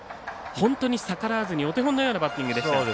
本当に逆らわずにお手本のようなバッティング。